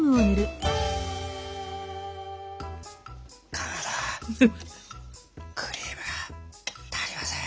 かまどクリームが足りません！